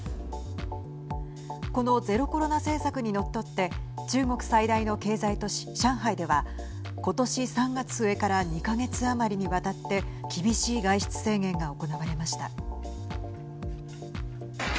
このゼロコロナ政策にのっとって中国最大の経済都市、上海ではことし３月末から２か月余りにわたって厳しい外出制限が行われました。